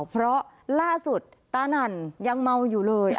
เพราะล่าสุดตานั่นยังเมาอยู่เลย